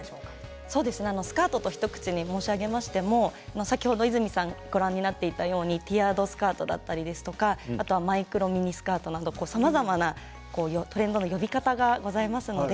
スカートと一口に申し上げましても先ほど和泉さんがご覧になっていたようにティアードスカートとかマイクロミニスカートさまざまなトレンドの呼び方がありますので